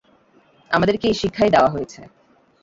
আমাদেরকে এই শিক্ষাই দেয়া হয়েছে।